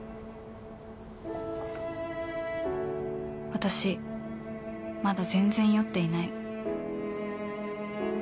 私まだ全然酔っていない